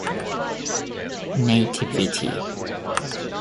Nativity!